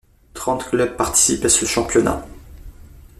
Trente clubs participent à ce championnat.